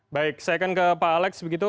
baik saya akan ke pak alex begitu